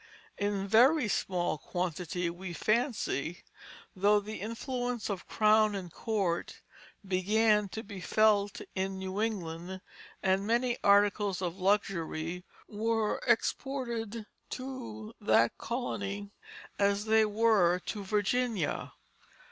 In very small quantity, we fancy, though the influence of crown and court began to be felt in New England, and many articles of luxury were exported to that colony as they were to Virginia.